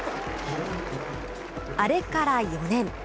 あれから４年。